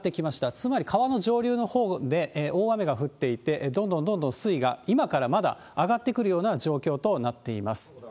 つまり川の上流のほうで大雨が降っていて、どんどんどんどん水位が、今からまだ上がってくるような状況となっています。